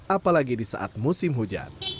apalagi di saat musim hujan